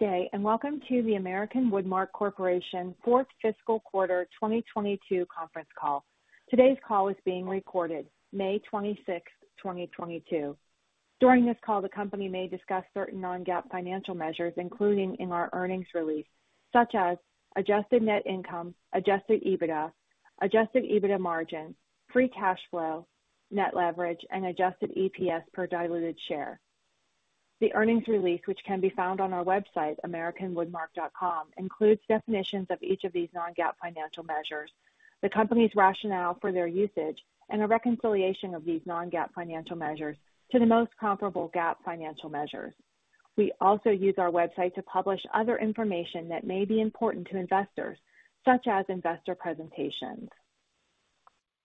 Good day, and welcome to the American Woodmark Corporation fourth fiscal quarter 2022 conference call. Today's call is being recorded on May 26, 2022. During this call, the company may discuss certain non-GAAP financial measures, including in our earnings release, such as adjusted net income, adjusted EBITDA, adjusted EBITDA margin, free cash flow, net leverage, and adjusted EPS per diluted share. The earnings release, which can be found on our website, americanwoodmark.com, includes definitions of each of these non-GAAP financial measures, the company's rationale for their usage, and a reconciliation of these non-GAAP financial measures to the most comparable GAAP financial measures. We also use our website to publish other information that may be important to investors, such as investor presentations.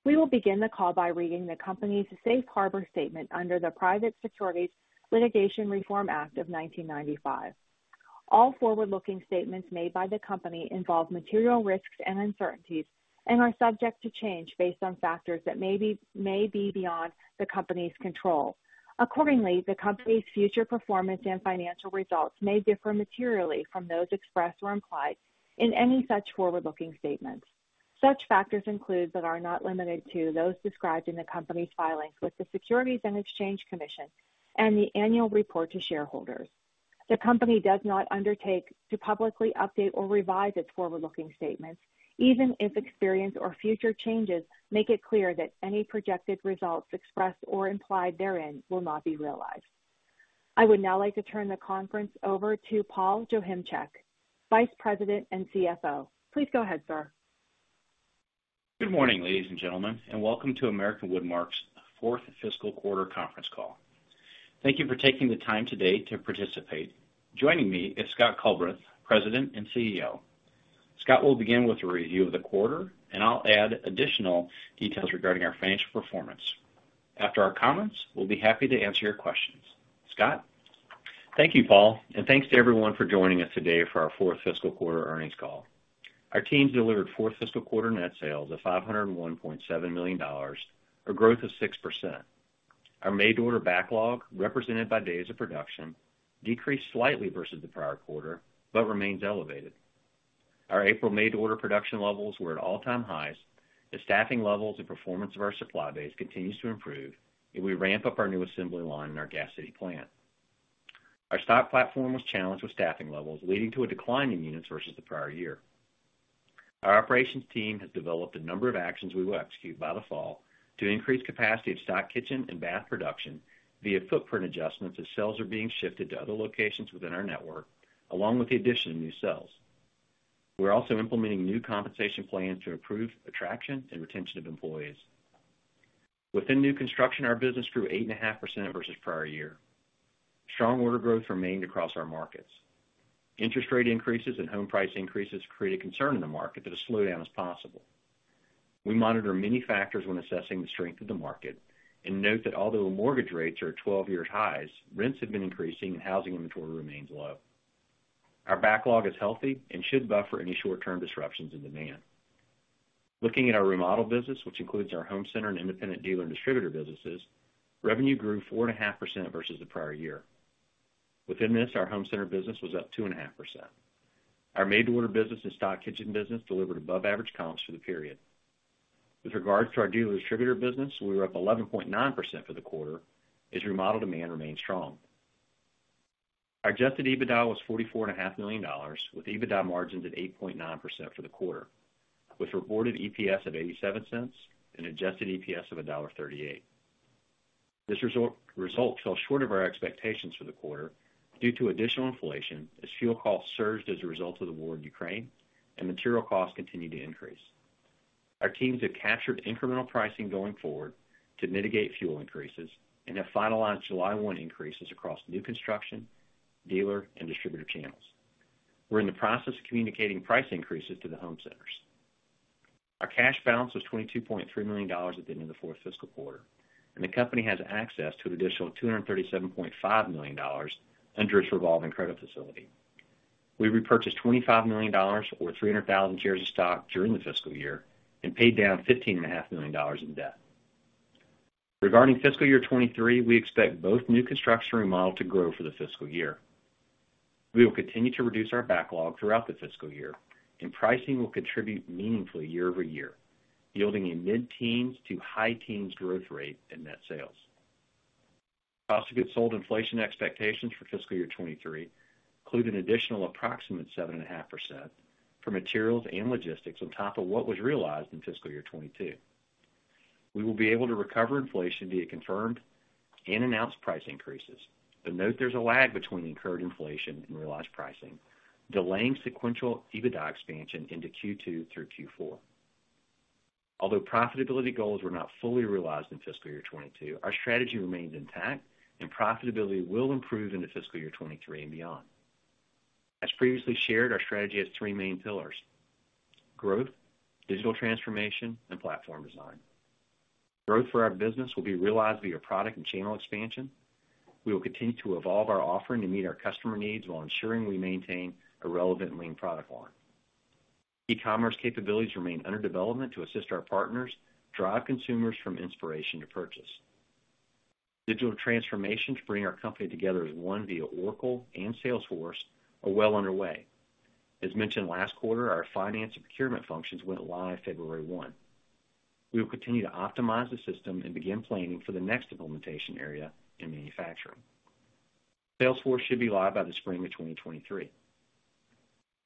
We will begin the call by reading the company's Safe Harbor statement under the Private Securities Litigation Reform Act of 1995. All forward-looking statements made by the company involve material risks and uncertainties and are subject to change based on factors that may be beyond the company's control. Accordingly, the company's future performance and financial results may differ materially from those expressed or implied in any such forward-looking statements. Such factors include, but are not limited to, those described in the company's filings with the Securities and Exchange Commission and the annual report to shareholders. The company does not undertake to publicly update or revise its forward-looking statements, even if experience or future changes make it clear that any projected results expressed or implied therein will not be realized. I would now like to turn the conference over to Paul Joachimczyk, Vice President and CFO. Please go ahead, sir. Good morning, ladies and gentlemen, and welcome to American Woodmark's fourth fiscal quarter conference call. Thank you for taking the time today to participate. Joining me is Scott Culbreth, President and CEO. Scott will begin with a review of the quarter, and I'll add additional details regarding our financial performance. After our comments, we'll be happy to answer your questions. Scott? Thank you, Paul, and thanks to everyone for joining us today for our fourth fiscal quarter earnings call. Our teams delivered fourth fiscal quarter net sales of $501.7 million, a growth of 6%. Our made-to-order backlog, represented by days of production, decreased slightly versus the prior quarter, but remains elevated. Our April made-to-order production levels were at all-time highs as staffing levels and performance of our supply base continue to improve, and we ramp up our new assembly line in our Gas City plant. Our stock platform was challenged with staffing levels, leading to a decline in units versus the prior year. Our operations team has developed a number of actions we will execute by the fall to increase capacity of stock kitchen and bath production via footprint adjustments as sales are being shifted to other locations within our network, along with the addition of new sales. We're also implementing new compensation plans to improve attraction and retention of employees. Within new construction, our business grew 8.5% versus prior year. Strong order growth remained across our markets. Interest rate increases and home price increases created concern in the market that a slowdown is possible. We monitor many factors when assessing the strength of the market and note that although mortgage rates are at 12-year highs, rents have been increasing, and housing inventory remains low. Our backlog is healthy and should buffer any short-term disruptions in demand. Looking at our remodel business, which includes our home center and independent dealer and distributor businesses, revenue grew 4.5% versus the prior year. Within this, our home center business was up 2.5%. Our made-to-order business and stock kitchen business delivered above-average comps for the period. With regards to our dealer-distributor business, we were up 11.9% for the quarter as remodel demand remained strong. Our adjusted EBITDA was $44.5 million, with EBITDA margins at 8.9% for the quarter, with reported EPS of $0.87 and adjusted EPS of $1.38. This result fell short of our expectations for the quarter due to additional inflation as fuel costs surged as a result of the war in Ukraine, and material costs continued to increase. Our teams have captured incremental pricing going forward to mitigate fuel increases and have finalized July 1 increases across new construction, dealer, and distributor channels. We're in the process of communicating price increases to the home centers. Our cash balance was $22.3 million at the end of the fourth fiscal quarter, and the company has access to an additional $237.5 million under its revolving credit facility. We repurchased $25 million or 300,000 shares of stock during the fiscal year and paid down $15.5 million in debt. Regarding fiscal year 2023, we expect both new construction and remodel to grow for the fiscal year. We will continue to reduce our backlog throughout the fiscal year, and pricing will contribute meaningfully year-over-year, yielding a mid-teens to high-teens growth rate in net sales. Cost of goods sold inflation expectations for fiscal year 2023 include an additional approximate 7.5% for materials and logistics on top of what was realized in fiscal year 2022. We will be able to recover inflation via confirmed and announced price increases. Note there's a lag between incurred inflation and realized pricing, delaying sequential EBITDA expansion into Q2 through Q4. Although profitability goals were not fully realized in fiscal year 2022, our strategy remains intact, and profitability will improve into fiscal year 2023 and beyond. As previously shared, our strategy has three main pillars: growth, digital transformation, and platform design. Growth for our business will be realized via product and channel expansion. We will continue to evolve our offering to meet our customers' needs while ensuring we maintain a relevant lean product line. E-commerce capabilities remain under development to assist our partners to drive consumers from inspiration to purchase. Digital transformations bringing our company together as one via Oracle and Salesforce are well underway. As mentioned last quarter, our finance and procurement functions went live on February 1. We will continue to optimize the system and begin planning for the next implementation area in manufacturing. Salesforce should be live by the spring of 2023.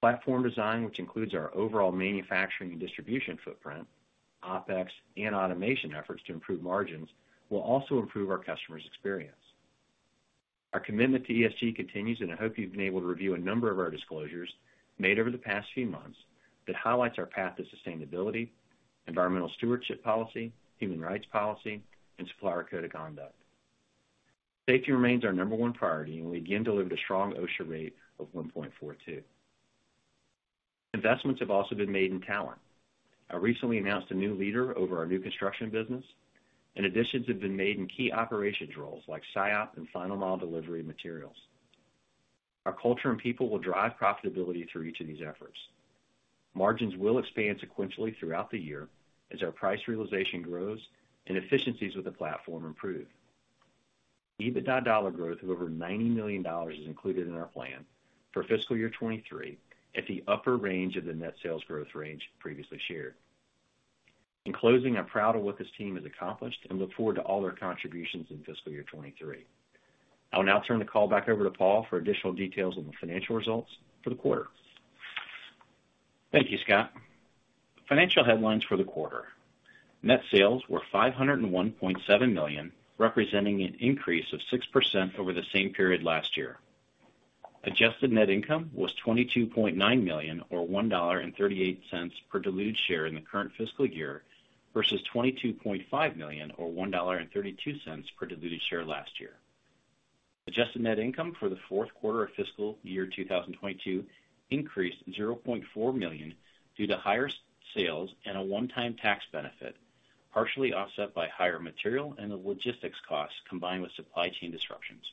Platform design, which includes our overall manufacturing and distribution footprint, OpEx, and automation efforts to improve margins, will also improve our customer's experience. Our commitment to ESG continues, and I hope you've been able to review a number of our disclosures made over the past few months that highlight our path to sustainability, environmental stewardship policy, human rights policy, and supplier code of conduct. Safety remains our number one priority, and we again delivered a strong OSHA rate of 1.42. Investments have also been made in talent. I recently announced a new leader over our new construction business, and additions have been made in key operations roles like SIOP and final mile delivery of materials. Our culture and people will drive profitability through each of these efforts. Margins will expand sequentially throughout the year as our price realization grows and efficiencies with the platform improve. EBITDA dollar growth of over $90 million is included in our plan for fiscal year 2023 at the upper range of the net sales growth range previously shared. In closing, I'm proud of what this team has accomplished and look forward to all their contributions in fiscal year 2023. I'll now turn the call back over to Paul for additional details on the financial results for the quarter. Thank you, Scott. Financial headlines for the quarter. Net sales were $501.7 million, representing an increase of 6% over the same period last year. Adjusted net income was $22.9 million, or $1.38 per diluted share in the current fiscal year, versus $22.5 million, or $1.32 per diluted share last year. Adjusted net income for the fourth quarter of fiscal year 2022 increased $0.4 million due to higher sales and a one-time tax benefit, partially offset by higher material and logistics costs combined with supply chain disruptions.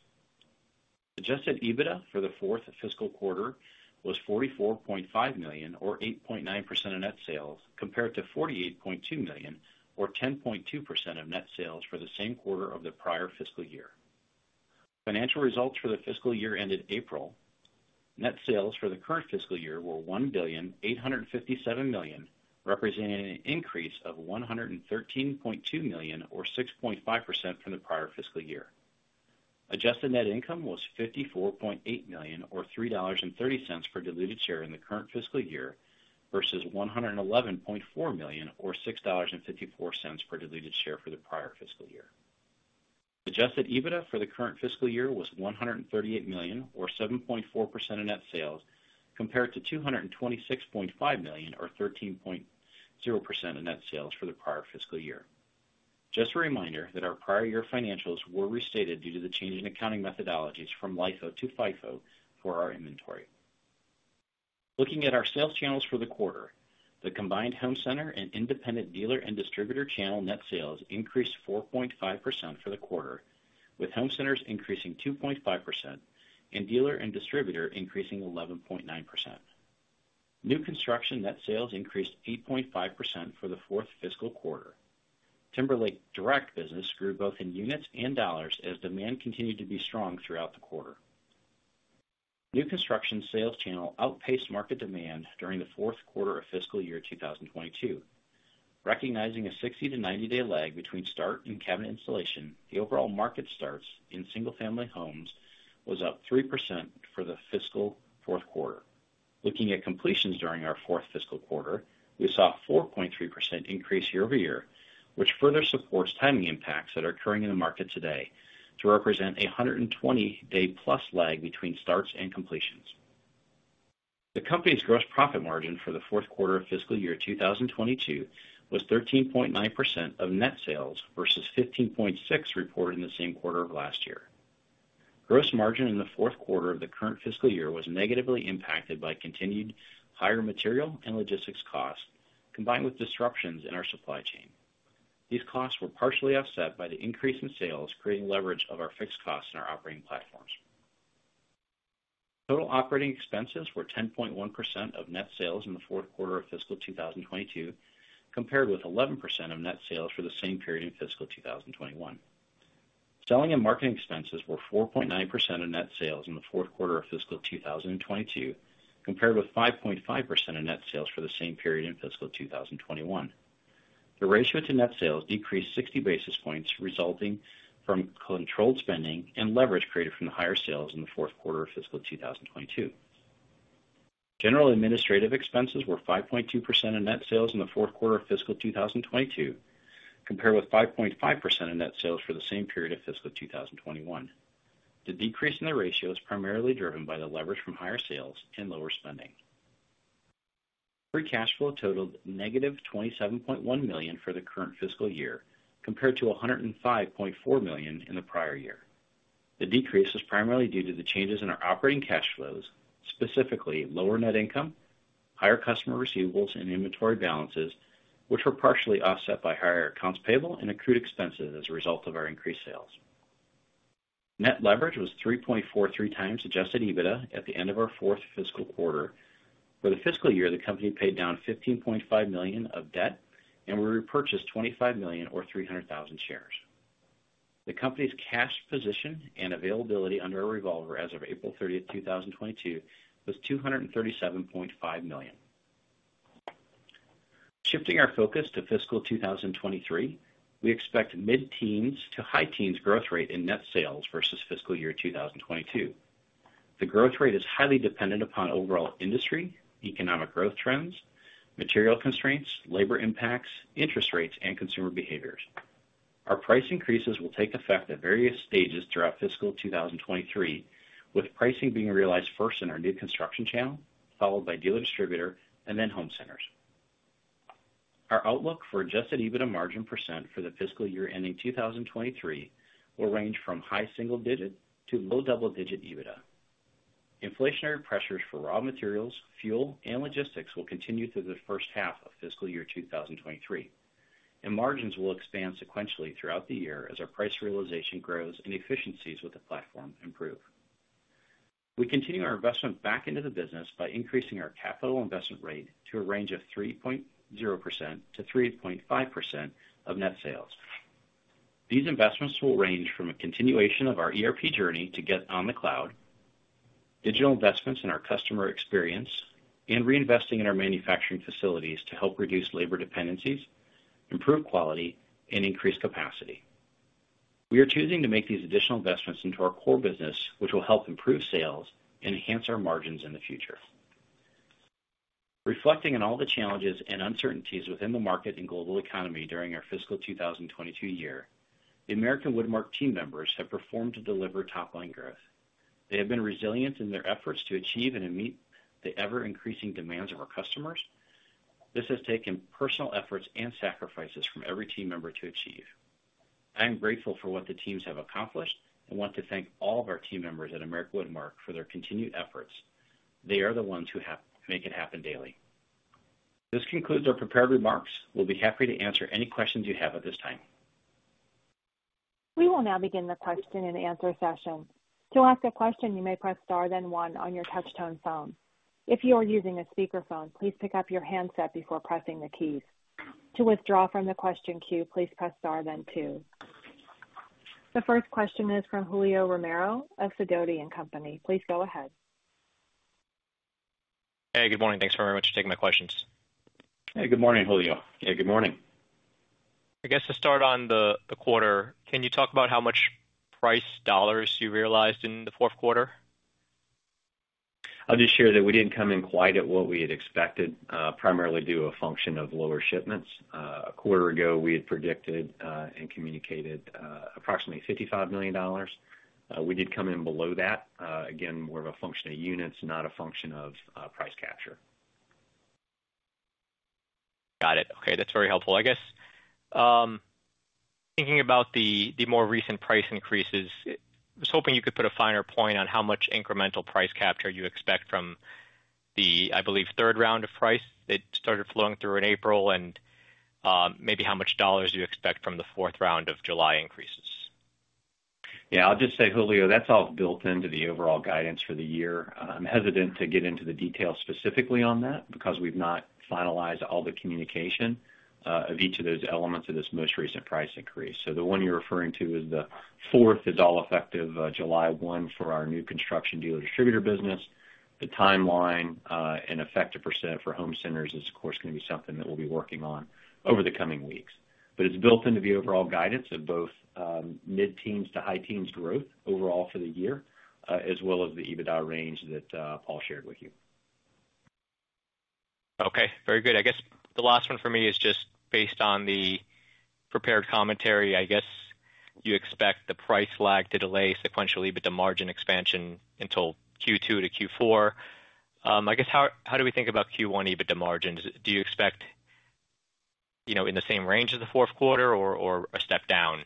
Adjusted EBITDA for the fourth fiscal quarter was $44.5 million or 8.9% of net sales, compared to $48.2 million or 10.2% of net sales for the same quarter of the prior fiscal year. Financial results for the fiscal year ended April. Net sales for the current fiscal year were $1,857 million, representing an increase of $113.2 million or 6.5% from the prior fiscal year. Adjusted net income was $54.8 million or $3.30 per diluted share in the current fiscal year versus $111.4 million or $6.54 per diluted share for the prior fiscal year. Adjusted EBITDA for the current fiscal year was $138 million or 7.4% of net sales, compared to $226.5 million or 13.0% of net sales for the prior fiscal year. Just a reminder that our prior year financials were restated due to the change in accounting methodologies from LIFO to FIFO for our inventory. Looking at our sales channels for the quarter, the combined home center and independent dealer and distributor channel net sales increased 4.5% for the quarter, with home centers increasing 2.5% and dealer and distributor increasing 11.9%. New construction net sales increased 8.5% for the fourth fiscal quarter. Timberlake's direct business grew both in units and dollars as demand continued to be strong throughout the quarter. New construction sales channel outpaced market demand during the fourth quarter of fiscal year 2022. Recognizing a 60-90 day lag between start and cabinet installation, the overall market starts in single-family homes was up 3% for the fiscal fourth quarter. Looking at completions during our fourth fiscal quarter, we saw a 4.3% increase year-over-year, which further supports timing impacts that are occurring in the market today to represent a 120-day+ lag between starts and completions. The company's gross profit margin for the fourth quarter of fiscal year 2022 was 13.9% of net sales, versus 15.6% reported in the same quarter of last year. Gross margin in the fourth quarter of the current fiscal year was negatively impacted by continued higher material and logistics costs, combined with disruptions in our supply chain. These costs were partially offset by the increase in sales, creating leverage of our fixed costs in our operating platforms. Total operating expenses were 10.1% of net sales in the fourth quarter of fiscal 2022, compared with 11% of net sales for the same period in fiscal 2021. Selling and marketing expenses were 4.9% of net sales in the fourth quarter of fiscal 2022, compared with 5.5% of net sales for the same period in fiscal 2021. The ratio to net sales decreased 60 basis points, resulting from controlled spending and leverage created from the higher sales in the fourth quarter of fiscal 2022. General administrative expenses were 5.2% of net sales in the fourth quarter of fiscal 2022, compared with 5.5% of net sales for the same period of fiscal 2021. The decrease in the ratio is primarily driven by the leverage from higher sales and lower spending. Free cash flow totaled $-27.1 million for the current fiscal year, compared to $105.4 million in the prior year. The decrease was primarily due to the changes in our operating cash flows, specifically lower net income, higher customer receivables and inventory balances, which were partially offset by higher accounts payable and accrued expenses as a result of our increased sales. Net leverage was 3.43x adjusted EBITDA at the end of our fourth fiscal quarter. For the fiscal year, the company paid down $15.5 million of debt, and we repurchased $25 million or 300,000 shares. The company's cash position and availability under a revolver as of April 30, 2022, was $237.5 million. Shifting our focus to fiscal 2023, we expect mid-teens to high-teens growth rate in net sales versus fiscal year 2022. The growth rate is highly dependent upon overall industry, economic growth trends, material constraints, labor impacts, interest rates, and consumer behaviors. Our price increases will take effect at various stages throughout fiscal 2023, with pricing being realized first in our new construction channel, followed by dealer distributors, and then home centers. Our outlook for adjusted EBITDA margin % for the fiscal year ending 2023 will range from high single-digit to low double-digit EBITDA. Inflationary pressures for raw materials, fuel, and logistics will continue through the first half of fiscal year 2023, and margins will expand sequentially throughout the year as our price realization grows and efficiencies with the platform improve. We continue our investment back into the business by increasing our capital investment rate to a range of 3.0%-3.5% of net sales. These investments will range from a continuation of our ERP journey to get on the cloud, digital investments in our customer experience, and reinvesting in our manufacturing facilities to help reduce labor dependencies, improve quality, and increase capacity. We are choosing to make these additional investments into our core business, which will help improve sales and enhance our margins in the future. Reflecting on all the challenges and uncertainties within the market and global economy during our fiscal 2022 year, the American Woodmark team members have performed to deliver top-line growth. They have been resilient in their efforts to achieve and meet the ever-increasing demands of our customers. This has taken personal efforts and sacrifices from every team member to achieve. I am grateful for what the teams have accomplished and want to thank all of our team members at American Woodmark for their continued efforts. They are the ones who make it happen daily. This concludes our prepared remarks. We'll be happy to answer any questions you have at this time. We will now begin the question-and-answer session. To ask a question, you may press star then one on your touchtone phone. If you are using a speakerphone, please pick up your handset before pressing the keys. To withdraw from the question queue, please press star then two. The first question is from Julio Romero of Sidoti & Company. Please go ahead. Hey, good morning. Thanks very much for taking my questions. Hey, good morning, Julio. Yeah, good morning. I guess to start on the quarter, can you talk about how much price dollars you realized in the fourth quarter? I'll just share that we didn't come in quite at what we had expected, primarily due to a function of lower shipments. A quarter ago, we had predicted and communicated approximately $55 million. We did come in below that, again, more of a function of units, not a function of price capture. Got it. Okay, that's very helpful. I guess, thinking about the more recent price increases, I was hoping you could put a finer point on how much incremental price capture you expect from the, I believe, third round of price that started flowing through in April, and maybe how much dollars you expect from the fourth round of July increases. Yeah, I'll just say, Julio, that's all built into the overall guidance for the year. I'm hesitant to get into the details specifically on that because we've not finalized all the communication of each of those elements of this most recent price increase. The one you're referring to is the fourth, all effective July 1 for our new construction dealer distributor business. The timeline and effective percent for home centers is, of course, gonna be something that we'll be working on over the coming weeks. It's built into the overall guidance of both mid-teens to high-teens growth overall for the year, as well as the EBITDA range that Paul shared with you. Okay, very good. I guess the last one for me is just based on the prepared commentary. I guess you expect the price lag to delay sequentially EBITDA margin expansion until Q2 to Q4. I guess, how do we think about Q1 EBITDA margins? Do you expect, you know, in the same range as the fourth quarter or a step down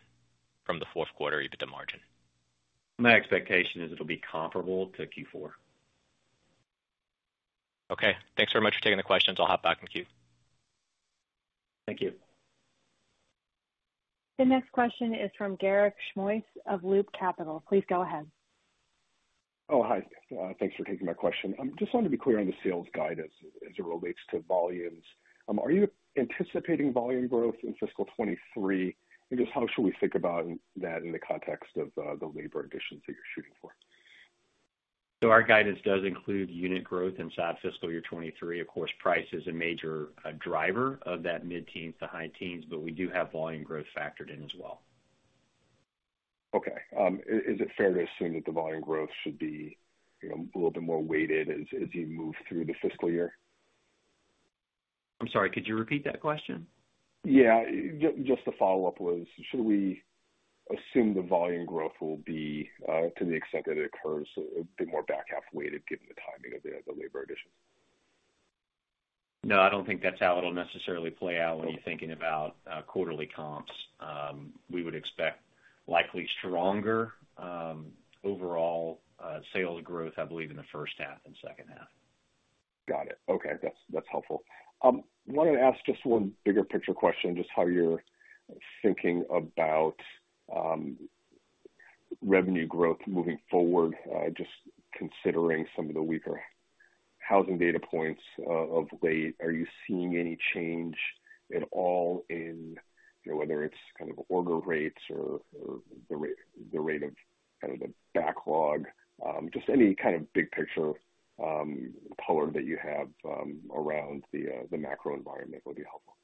from the fourth quarter EBITDA margin? My expectation is it'll be comparable to Q4. Okay, thanks very much for taking the questions. I'll hop back in the queue. Thank you. The next question is from Garik Shmois of Loop Capital. Please go ahead. Thanks for taking my question. Just wanted to be clear on the sales guidance as it relates to volumes. Are you anticipating volume growth in fiscal 2023? I guess how should we think about that in the context of the labor additions that you're shooting for? Our guidance does include unit growth inside fiscal year 2023. Of course, price is a major driver of that mid-teens to high-teens, but we do have volume growth factored in as well. Okay. Is it fair to assume that the volume growth should be, you know, a little bit more weighted as you move through the fiscal year? I'm sorry, could you repeat that question? Yeah. Just the follow-up was, should we assume the volume growth will be, to the extent that it occurs, a bit more back-half weighted, given the timing of the labor addition? No, I don't think that's how it'll necessarily play out when you're thinking about quarterly comps. We would expect likely stronger overall sales growth, I believe, in the first half and second half. Got it. Okay. That's helpful. Wanted to ask just one bigger picture question, just how you're thinking about revenue growth moving forward, just considering some of the weaker housing data points of late. Are you seeing any change at all in, you know, whether it's kind of order rates or the rate of kind of the backlog, just any kind of big picture color that you have around the macro environment would be helpful.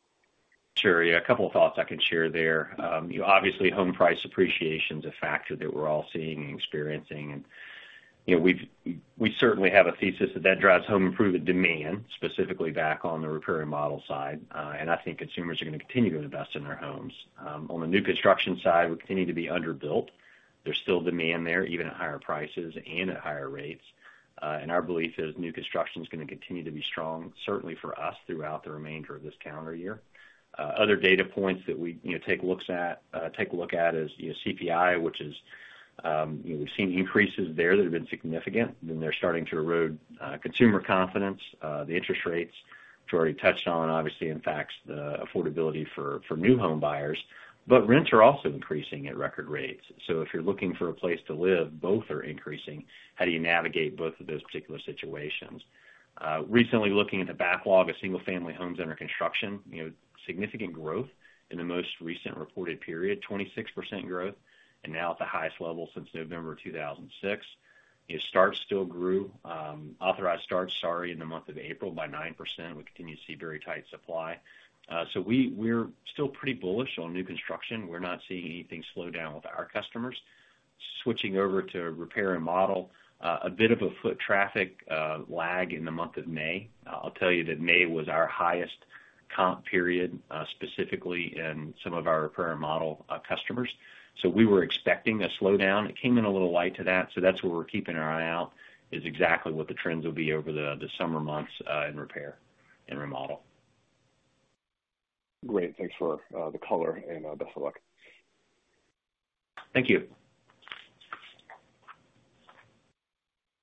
Sure. Yeah, a couple of thoughts I can share there. You know, obviously, home price appreciation is a factor that we're all seeing and experiencing. You know, we certainly have a thesis that drives home improvement demand, specifically back on the repair and remodel side. I think consumers are gonna continue to invest in their homes. On the new construction side, we continue to be underbuilt. There's still demand there, even at higher prices and at higher rates. Our belief is new construction is gonna continue to be strong, certainly for us throughout the remainder of this calendar year. Other data points that we take a look at is CPI, which is, you know, we've seen increases there that have been significant, then they're starting to erode, consumer confidence. The interest rates, which we already touched on, obviously impacts the affordability for new home buyers. Rents are also increasing at record rates. If you're looking for a place to live, both are increasing. How do you navigate both of those particular situations? Recently, looking at the backlog of single-family homes under construction, you know, significant growth in the most recent reported period, 26% growth and now at the highest level since November 2006. You know, starts still grew, authorized starts, sorry, in the month of April by 9%. We continue to see a very tight supply. We're still pretty bullish on new construction. We're not seeing anything slow down with our customers. Switching over to repair and remodel, a bit of a foot traffic lag in the month of May. I'll tell you that May was our highest comp period, specifically in some of our repair and remodel customers. We were expecting a slowdown. It came in a little lighter than that. That's where we're keeping our eye out, is exactly what the trends will be over the summer months in repair and remodel. Great. Thanks for the color, and best of luck. Thank you.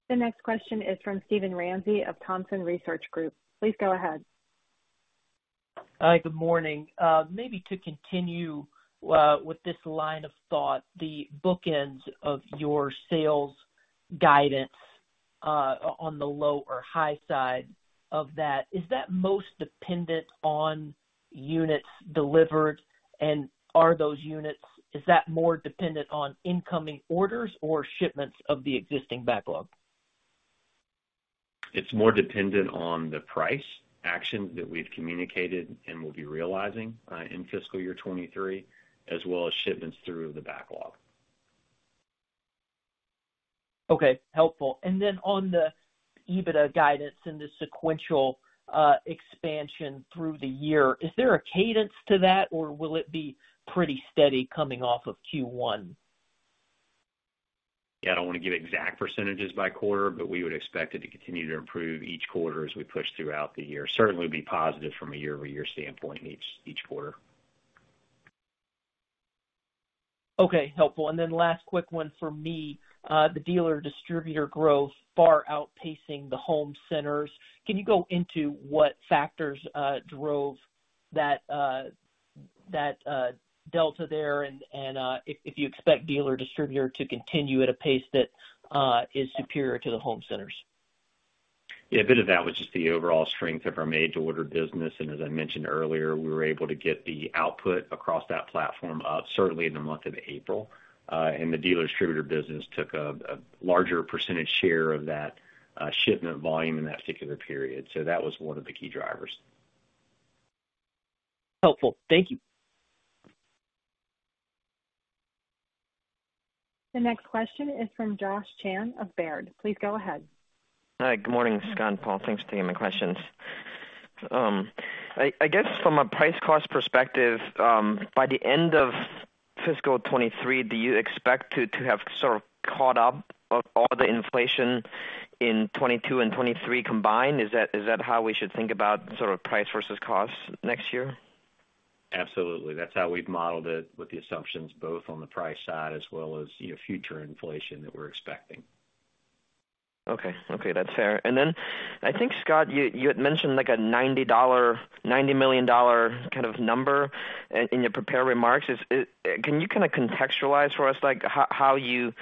The next question is from Steven Ramsey of Thompson Research Group. Please go ahead. Hi, good morning. Maybe to continue with this line of thought, the bookends of your sales guidance, on the low or high side of that, is that most dependent on units delivered, and is that more dependent on incoming orders or shipments of the existing backlog? It's more dependent on the price action that we've communicated and will be realizing in fiscal year 2023, as well as shipments through the backlog. Okay, helpful. On the EBITDA guidance and the sequential expansion through the year, is there a cadence to that, or will it be pretty steady coming off of Q1? Yeah, I don't wanna give exact percentages by quarter, but we would expect it to continue to improve each quarter as we push throughout the year. Certainly, be positive from a year-over-year standpoint each quarter. Okay, helpful. Last quick one for me. The dealer distributor growth is far outpacing the home centers. Can you go into what factors drove that delta there, and if you expect dealer distributors to continue at a pace that is superior to the home centers? Yeah, a bit of that was just the overall strength of our made-to-order business. As I mentioned earlier, we were able to get the output across that platform up certainly in the month of April. The dealer distributor business took a larger percentage share of that shipment volume in that particular period. That was one of the key drivers. Helpful. Thank you. The next question is from Joshua Chan of Baird. Please go ahead. Hi, good morning, Scott and Paul. Thanks for taking my questions. I guess from a price cost perspective, by the end of fiscal 2023, do you expect to have sort of caught up on all the inflation in 2022 and 2023 combined? Is that how we should think about sort of price versus cost next year? Absolutely. That's how we've modeled it with the assumptions, both on the price side as well as, you know, future inflation that we're expecting. Okay. Okay, that's fair. Then I think, Scott, you had mentioned like a $90 million kind of number in your prepared remarks. Can you kinda contextualize for us, like how you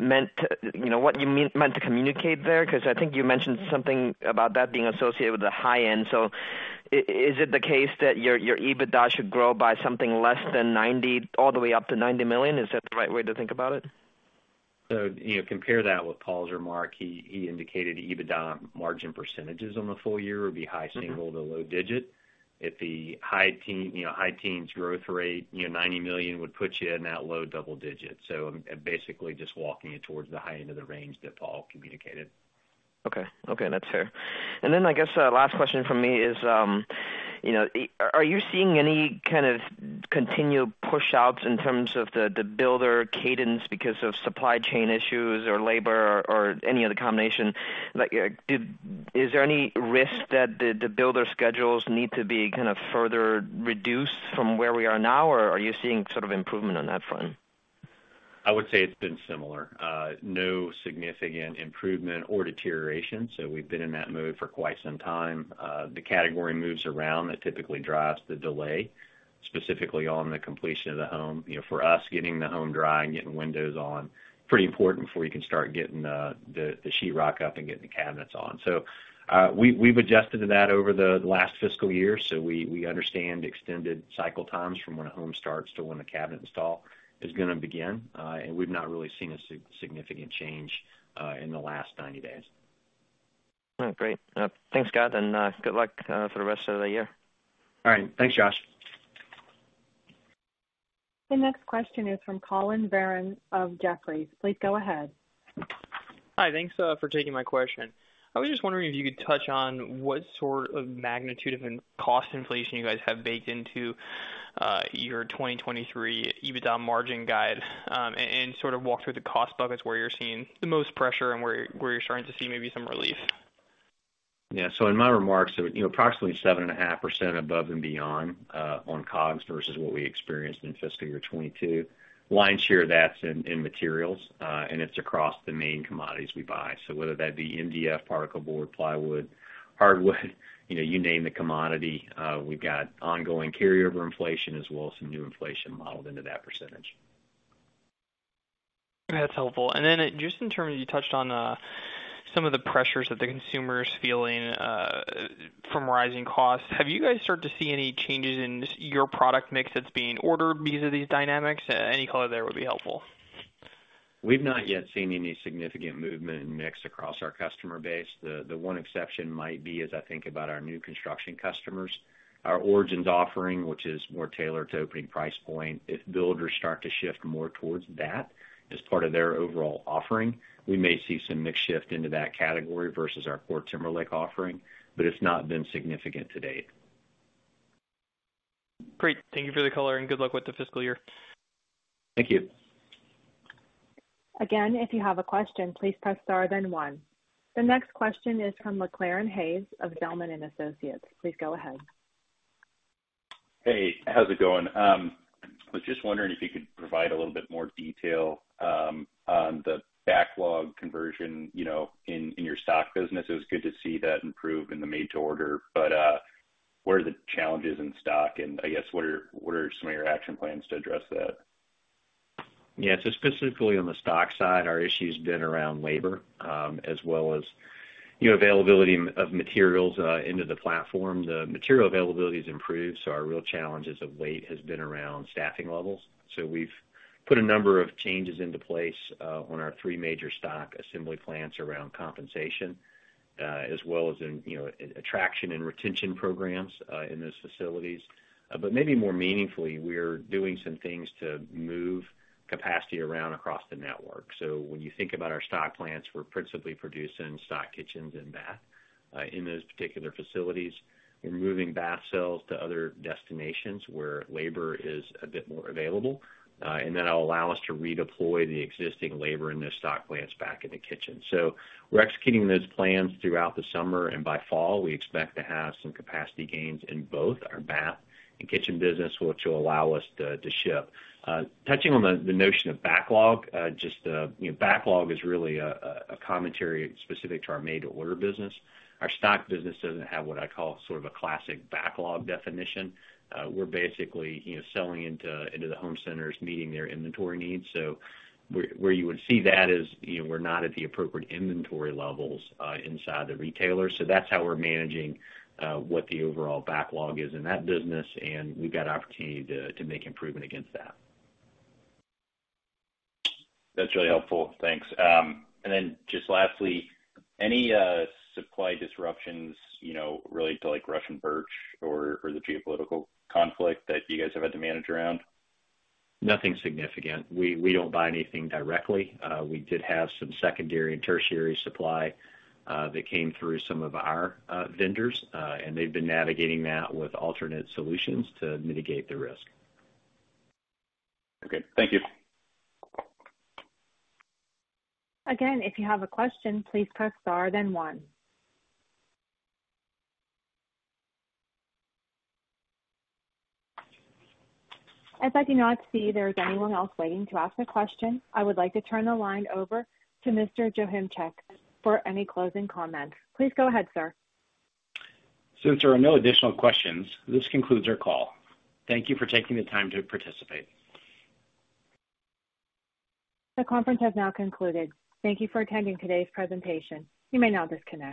meant to, you know, what you meant to communicate there? 'Cause I think you mentioned something about that being associated with the high end. Is it the case that your EBITDA should grow by something less than 90, all the way up to $90 million? Is that the right way to think about it? You know, compare that with Paul's remark. He indicated EBITDA margin percentages on the full-year would be high single-digits to low double-digits. If the high teens growth rate, you know, $90 million would put you in that low double-digits. I'm basically just walking it towards the high end of the range that Paul communicated. Okay. Okay, that's fair. I guess the last question from me is, you know, are you seeing any kind of continued pushouts in terms of the builder cadence because of supply chain issues, or labor, or any other combination? Like, is there any risk that the builder schedules need to be kind of further reduced from where we are now, or are you seeing sort of improvement on that front? I would say it's been similar. No significant improvement or deterioration, so we've been in that mode for quite some time. The category moves around. That typically drives the delay, specifically on the completion of the home. You know, for us, getting the home dry and getting windows on, pretty important before you can start getting the sheetrock up and getting the cabinets on. We've adjusted to that over the last fiscal year, so we understand the extended cycle times from when a home starts to when a cabinet install is gonna begin. We've not really seen a significant change in the last 90 days. All right. Great. Thanks, Scott, and good luck for the rest of the year. All right. Thanks, Josh. The next question is from Collin Verron of Jefferies. Please go ahead. Hi. Thanks for taking my question. I was just wondering if you could touch on what sort of magnitude of input-cost inflation you guys have baked into your 2023 EBITDA margin guide, and sort of walk through the cost buckets where you're seeing the most pressure and where you're starting to see maybe some relief. Yeah. In my remarks, you know, approximately 7.5% above and beyond on COGS versus what we experienced in fiscal year 2022. Lion's share of that's in materials, and it's across the main commodities we buy. Whether that be MDF, particle board, plywood, hardwood, you know, you name the commodity, we've got ongoing carryover inflation as well as some new inflation modeled into that percentage. That's helpful. Then, just in terms, you touched on, some of the pressures that the consumer is feeling, from rising costs. Have you guys started to see any changes in your product mix that's being ordered because of these dynamics? Any color there would be helpful. We've not yet seen any significant movement in mix across our customer base. The one exception might be, as I think about our new construction customers, our Origins offering, which is more tailored to opening price point. If builders start to shift more towards that as part of their overall offering, we may see some mix shift into that category versus our core Timberlake offering, but it's not been significant to date. Great. Thank you for the color, and good luck with the fiscal year. Thank you. Again, if you have a question, please press star then one. The next question is from McClaran Hayes of Zelman & Associates. Please go ahead. Hey, how's it going? Was just wondering if you could provide a little bit more detail on the backlog conversion, you know, in your stock business. It was good to see that improve in the made-to-order, but what are the challenges in stock, and I guess what are some of your action plans to address that? Yeah. Specifically on the stock side, our issue's been around labor, as well as, you know, availability of materials, into the platform. The material availability has improved, our real challenge as of late has been around staffing levels. We've put a number of changes into place, on our three major stock assembly plants around compensation, as well as in, you know, attraction and retention programs, in those facilities. Maybe more meaningfully, we're doing some things to move capacity around across the network. When you think about our stock plants, we're principally producing stock kitchens and bath, in those particular facilities. We're moving bath sales to other destinations where labor is a bit more available, and that'll allow us to redeploy the existing labor in those stock plants back in the kitchen. We're executing those plans throughout the summer, and by fall, we expect to have some capacity gains in both our bath and kitchen business, which will allow us to ship. Touching on the notion of backlog is really a commentary specific to our made-to-order business. Our stock business doesn't have what I call sort of a classic backlog definition. We're basically selling into the home centers, meeting their inventory needs. Where you would see that is, we're not at the appropriate inventory levels inside the retailer. That's how we're managing what the overall backlog is in that business, and we've got opportunity to make improvement against that. That's really helpful. Thanks. Just lastly, any supply disruptions, you know, related to like Russian birch or the geopolitical conflict that you guys have had to manage around? Nothing significant. We don't buy anything directly. We did have some secondary and tertiary supply that came through some of our vendors, and they've been navigating that with alternate solutions to mitigate the risk. Okay. Thank you. Again, if you have a question, please press star then one. As I do not see there's anyone else waiting to ask a question, I would like to turn the line over to Mr. Joachimczyk for any closing comments. Please go ahead, sir. Since there are no additional questions, this concludes our call. Thank you for taking the time to participate. The conference has now concluded. Thank you for attending today's presentation. You may now disconnect.